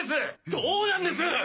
どなんです？